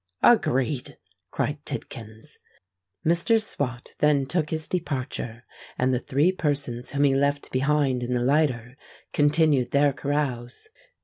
"Agreed!" cried Tidkins. Mr. Swot then took his departure; and the three persons whom he left behind in the lighter, continued their carouse.